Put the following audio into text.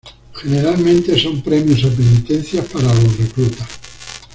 Generalmente son premios o penitencias para los reclutas.